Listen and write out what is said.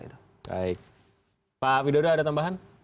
baik pak widodo ada tambahan